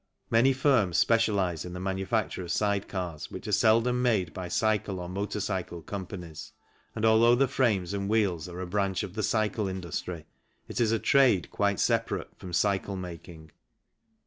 Many firms specialize in the manufacture of side cars, which are seldom made by cycle or motor cycle com panies, and although the frames and wheels are a branch THE MOTOR CYCLE 113 of the cycle industry, it is a trade quite separate from cycle making.